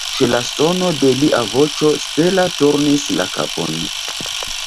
Ĉe la sono de lia voĉo Stella turnis la kapon.